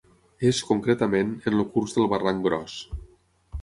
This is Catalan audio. És, concretament, en el curs del barranc Gros.